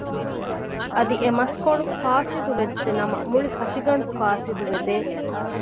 އަދި އެ މަސްކޮޅު ފާސިދު ވެއްޖެ ނަމަ މުޅި ހަށިގަނޑު ފާސިދު ވެދޭ